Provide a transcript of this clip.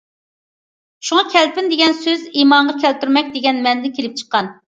شۇڭا« كەلپىن» دېگەن سۆز« ئىمانغا كەلتۈرمەك» دېگەن مەنىدىن كېلىپ چىققان.